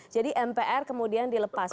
jadi mpr kemudian dilepas